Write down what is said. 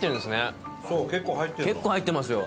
結構入ってるのよ。